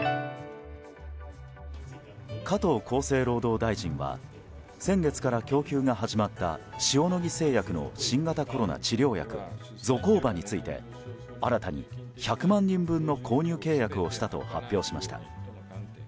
加藤厚生労働大臣は先月から供給が始まった塩野義製薬の新型コロナ治療薬ゾコーバについて新たに１００万人分の購入契約をしたと発表しました。